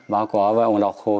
báo cáo với ông lọc hô